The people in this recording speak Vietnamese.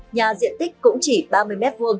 nhà diện tích cũng chỉ ba mươi m hai